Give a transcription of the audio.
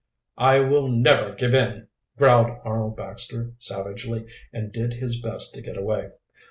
"I will never give in!" growled Arnold Baxter savagely, and did his best to get away.